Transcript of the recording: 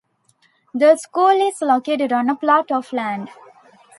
The school is located on a plot of land.